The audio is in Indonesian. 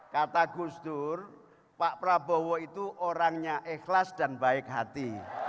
kata gus dur pak prabowo itu orangnya ikhlas dan baik hati